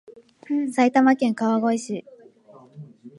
埼玉県川越市